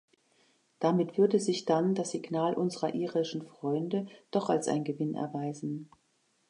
Damit würde sich dann das Signal unserer irischen Freunde doch als ein Gewinn erweisen.